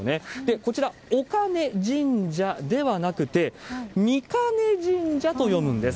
こちら、おかね神社ではなくて、みかね神社と読むんです。